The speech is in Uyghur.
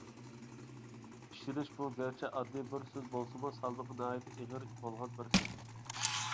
«ئىشىنىش»، بۇ گەرچە ئاددىي بىر سۆز بولسىمۇ، سالمىقى ناھايىتى ئېغىر بولغان بىر سۆز.